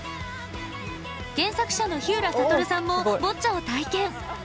原作者の、ひうらさとるさんもボッチャを体験。